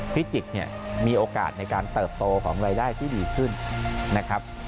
พิจิกเนี่ยมีโอกาสในการเติบโตของรายได้ที่ดีขึ้นนะครับ